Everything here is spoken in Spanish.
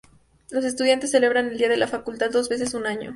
Los estudiantes celebran el día de la facultad dos veces un año.